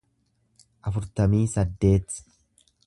afurtamii saddeet